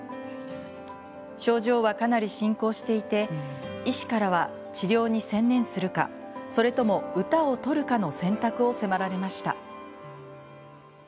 症状はかなり進行していて医師からは、治療に専念するかそれとも歌を取るかの選択を迫られました。